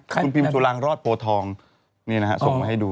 คุณพิมสุรางรอดโพทองนี่นะฮะส่งมาให้ดู